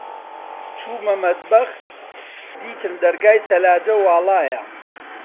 چوومە مەتبەخ، دیتم دەرگای سەلاجە واڵایە.